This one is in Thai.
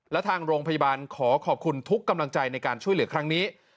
และทางโรงพยาบาลขอขอบคุณทุกกำลังใจในการช่วยเหลือครั้งนี้